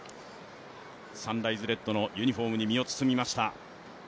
サンライズレッドのユニフォームに身を包みました。